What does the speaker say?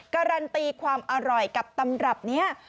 การันตีความอร่อยกับตำรับนี้